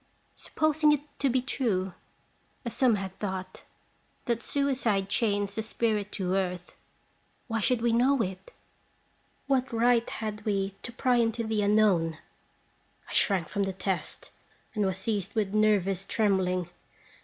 Supposing it to be true, as some have thought, that suicide chains the spirit to earth, why should we know it? What right had we to pry into the unknown ? I shrank from the test, and was seized with nervous trembling.